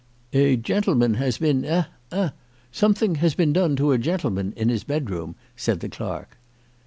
"A gentleman has been eh eh . Something has been done to a gentleman in his bedroom," said the clerk.